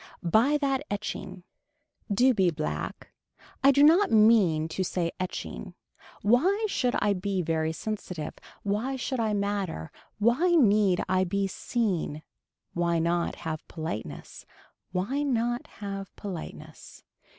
Buy that etching. Do be black. I do not mean to say etching. Why should I be very sensitive. Why should I matter. Why need I be seen. Why not have politeness. Why not have politeness.